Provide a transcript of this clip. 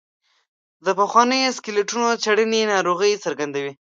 د پخوانیو سکلیټونو څېړنې ناروغۍ څرګندوي.